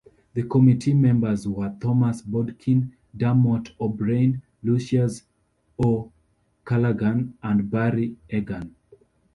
The committee members were Thomas Bodkin, Dermot O'Brien, Lucius O'Callaghan and Barry Egan.